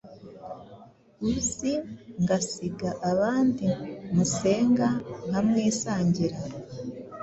Uzi ngasiga abandi musenga nkamwisangira!